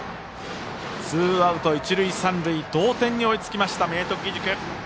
ツーアウト、一塁三塁同点に追いつきました明徳義塾。